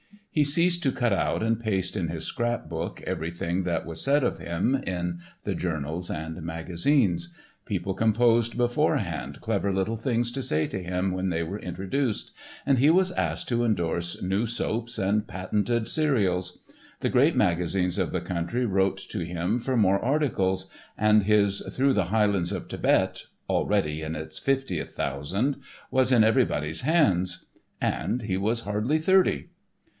He ceased to cut out and paste in his scrap book, everything that was said of him in the journals and magazines. People composed beforehand clever little things to say to him when they were introduced, and he was asked to indorse new soaps and patented cereals. The great magazines of the country wrote to him for more articles, and his "Through the Highlands of Thibet", already in its fiftieth thousand, was in everybody's hands. And he was hardly thirty.